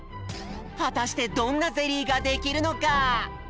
はたしてどんなゼリーができるのか？